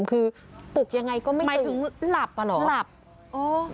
คือปลุกยังไงก็ไม่ตื่นหมายถึงหลับหรอ